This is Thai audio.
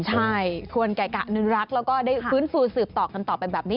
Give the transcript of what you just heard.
ใช่ควรแก่กะอนุรักษ์แล้วก็ได้ฟื้นฟูสืบต่อกันต่อไปแบบนี้